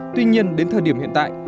tuy nhiên đến thời điểm hiện tại